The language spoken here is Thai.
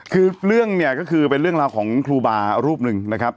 คือเรื่องเนี่ยก็คือเป็นเรื่องราวของครูบารูปหนึ่งนะครับ